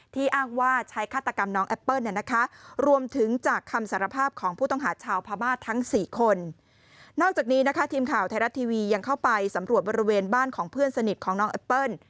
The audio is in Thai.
ที่อ้างว่าใช้ฆาตกรรมน้องแอปเปิ้ล